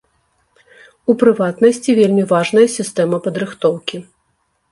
У прыватнасці, вельмі важная сістэма падрыхтоўкі.